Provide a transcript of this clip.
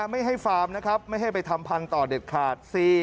๓ไม่ให้ฟาร์มไม่ให้ไปทำพันธุ์ต่อเด็ดขาด